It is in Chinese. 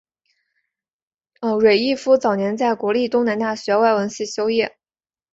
芮逸夫早年在国立东南大学外文系修业。